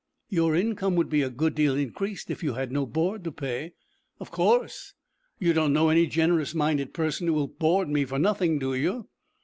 "Your income would be a good deal increased if you had no board to pay." "Of course. You don't know any generous minded person who will board me for nothing, do you?"